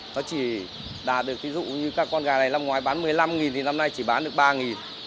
nó chỉ đạt được ví dụ như các con gà này năm ngoái bán một mươi năm thì năm nay chỉ bán được ba